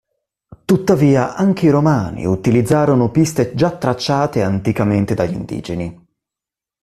Tuttavia anche i romani utilizzarono piste già tracciate anticamente dagli indigeni.